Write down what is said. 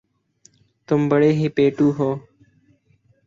تم بڑے ہی پیٹُو ہو